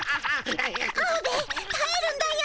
アオベエたえるんだよ。